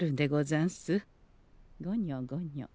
ごにょごにょ。